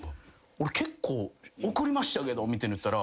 俺結構送りましたけどみたいに言ったら。